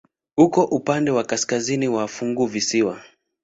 Uko upande wa kaskazini wa funguvisiwa.